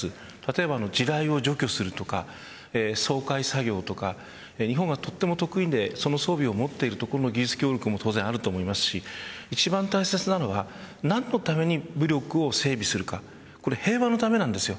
例えば地雷を除去するとか掃海作業とか日本は得意でその装備を持っている技術協力もあると思いますし一番大切なのは何のために武力を整備するかこれは平和のためなんですよ。